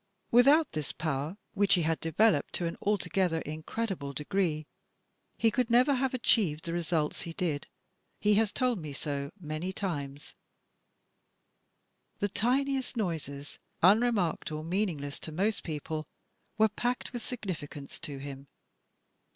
Without this OTHER DETECTIVES OF FICTION 145 power — ^which he had developed to an altogether incredible degree — he could never have achieved the results he did: he has told me so many times. The tiniest noises, unremarked or meaningless to most people, were packed with significance to him.